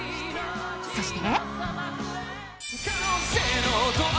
そして。